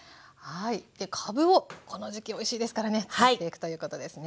でかぶをこの時期おいしいですからね使っていくということですね。